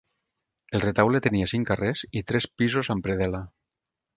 El retaule tenia cinc carrers i tres pisos amb predel·la.